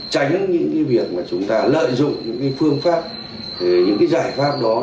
tránh những việc mà chúng ta lợi dụng những phương pháp những giải pháp đó